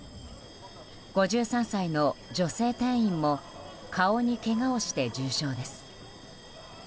５３歳の女性店員も顔にけがをして重傷です。